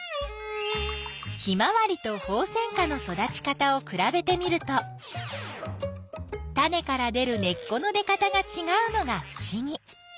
ヒマワリとホウセンカの育ち方をくらべてみるとタネから出る根っこの出かたがちがうのがふしぎ。